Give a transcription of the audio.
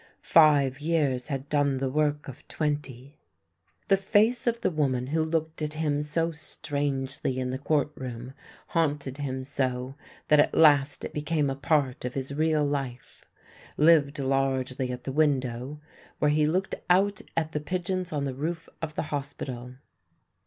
Five years had done the work of twenty. The face of the woman who looked at him so strangely in the court room haunted him so that at last it became a part of his real life, lived largely at the win dow where he looked out at the pigeons on the roof of the hospital.